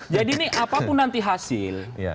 jadi ini apapun nanti hasil